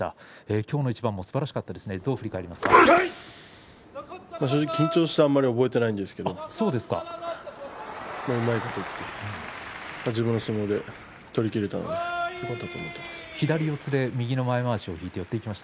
きょうの一番もすばらしかった正直、緊張してあまり覚えていないんですけれどうまいこといって自分の相撲で取りきれたのでよかったと思っています。